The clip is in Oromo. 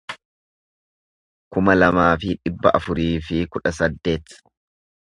kuma lamaa fi dhibba afurii fi kudha saddeet